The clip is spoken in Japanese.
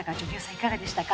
いかがでしたか？